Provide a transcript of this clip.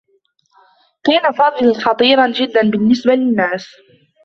كان فاضل خطيرا جدّا بالنّسبة للنّاس.